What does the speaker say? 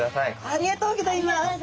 ありがとうございます。